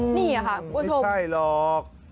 นี่ค่ะคุณผู้ชมใช่หรอก